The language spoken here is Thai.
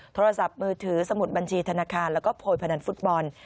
โทรศัพท์มือถือสมุดบัญชีธนาคารแล้วก็โพยพนันฟุตบอล